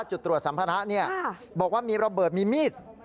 จุดตรวจสัมภาระบอกว่ามีระเบิดมีมีด